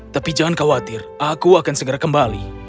tapi jangan khawatir aku akan segera kembali